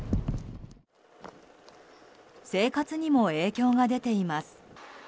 生活にも影響が出ています。